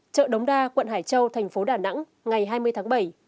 chợ đống đa quận hải châu tp đà nẵng ngày hai mươi tháng bảy